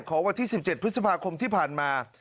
วันที่๑๗พฤษภาคมที่ผ่านมา